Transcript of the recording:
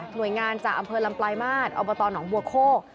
หน่วยงานจากอำเภอลำปลายมาสอบตหนองบัวโคก